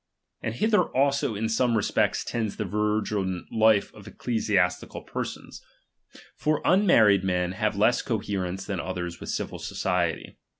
And hither also in some respect tends the virgin life of ecclesiastical per sons ; for unmarried men have less coherence than others with civil society.